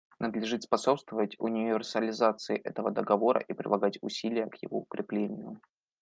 Надлежит способствовать универсализации этого Договора и прилагать усилия к его укреплению.